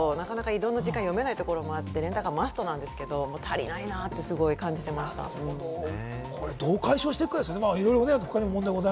電車とかだと、なかなか移動の時間が読めないところもあって、レンタカーがマストなんですけれど、足りないなとすごく感じていましどう解消していくかですね。